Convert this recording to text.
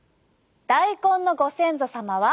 大根のご先祖様は。